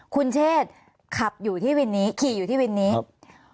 คุณเชษขับอยู่ที่วินนี้ขี่อยู่ที่วินนี้ครับ